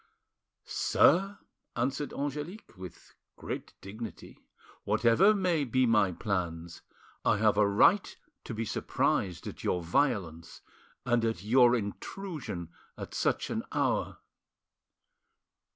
"Sir," answered Angelique, with great dignity, "whatever may be my plans, I have a right to be surprised at your violence and at your intrusion at such an hour."